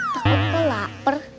takut kok lapar